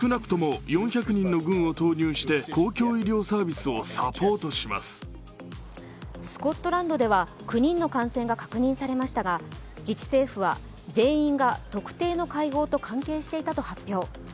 スコットランドでは９人の感染が確認されましたが自治政府は全員が特定の会合と関係していたと発表。